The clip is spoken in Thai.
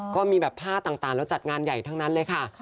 ก็มีแบบผ้าต่างแล้วจัดงานใหญ่ทั้งนั้นเลยค่ะ